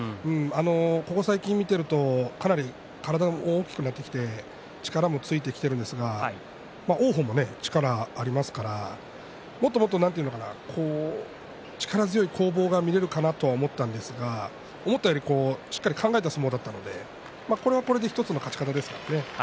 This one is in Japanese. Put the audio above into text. ここ最近見ているとかなり体も大きくなって力もついてきているんですが王鵬も力がありますからもっともっと力強い攻防が見られるかと思ったんですが思ったよりも考えた相撲だったのでこれはこれで１つの勝ち方ですね。